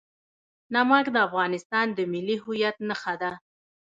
نمک د افغانستان د ملي هویت نښه ده.